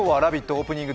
オープニング